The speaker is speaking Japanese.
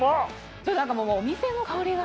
ちょっと何かもうお店の香りが。